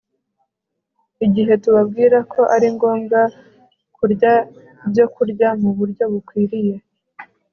igihe tubabwira ko ari ngombwa kurya ibyokurya mu buryo bukwiriye